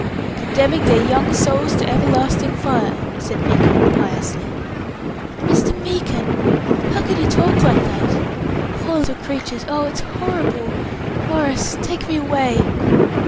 "Condemning their young souls to everlasting fire," said Meekin, piously. "Mr. Meekin! How can you talk like that? Poor little creatures! Oh, it's horrible! Maurice, take me away."